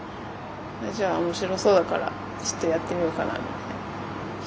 じゃあ面白そうだからちょっとやってみようかなみたいな。